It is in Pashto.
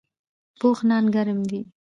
پوخ نان ګرم وي